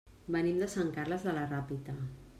Venim de Sant Carles de la Ràpita.